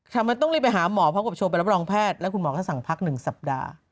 ทำไมต้องรีบไปหาหมอพร้อมกับโชว์ไปรับรองแพทย์แล้วคุณหมอก็สั่งพัก๑สัปดาห์